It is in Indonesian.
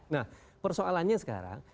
nah persoalannya sekarang